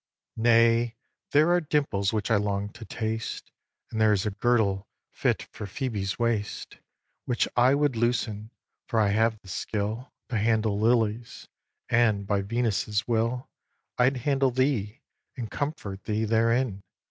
vi. Nay, there are dimples which I long to taste, And there's a girdle fit for Phoebe's waist Which I would loosen; for I have the skill To handle lilies; and, by Venus' will, I'd handle thee, and comfort thee therein.